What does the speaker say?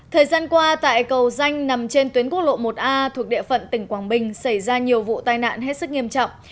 thời gian qua tại cầu danh nằm trên tuyến quốc lộ một a thuộc địa phận tỉnh quảng bình xảy ra nhiều vụ tai nạn hết sức nghiêm trọng